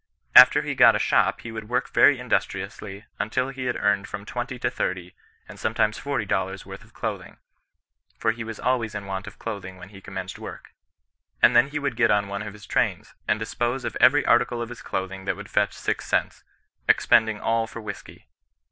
After he got a shop he would work very industriously until he had earned from twenty to thirty, aiad sometimes forty dollars worth of clothing (for he was always in want of clothing when he commenced work); and then he would get on one of his trains, and dispose of every article of his clothing that would fetch six cents, expending all for whiskey.